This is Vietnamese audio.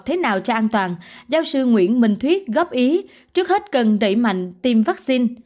thế nào cho an toàn giáo sư nguyễn minh thuyết góp ý trước hết cần đẩy mạnh tiêm vaccine